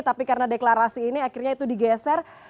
tapi karena deklarasi ini akhirnya itu digeser